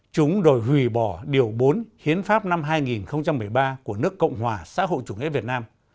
chúng đòi hủy bỏ điều bốn hiến pháp năm hai nghìn một mươi ba của nước cộng hòa xã hội chủ nghĩa việt nam